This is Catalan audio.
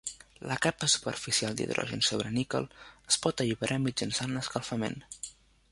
La capa superficial d'hidrogen sobre níquel es pot alliberar mitjançant l'escalfament.